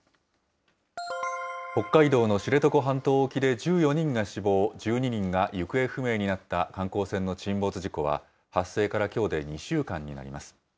北海道の知床半島沖で１４人が死亡、１２人が行方不明になった観光船の沈没事故は、発生からきょうで２週間になります。